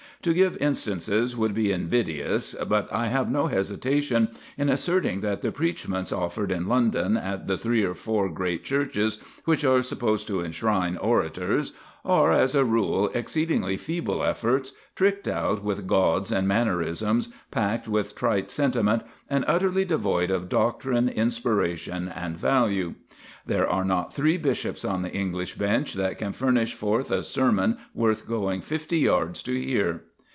To give instances would be invidious, but I have no hesitation in asserting that the preachments offered in London at the three or four great churches which are supposed to enshrine orators are, as a rule, exceedingly feeble efforts, tricked out with gauds and mannerisms, packed with trite sentiment, and utterly devoid of doctrine, inspiration, and value. There are not three bishops on the English bench that can furnish forth a sermon worth going fifty yards to hear.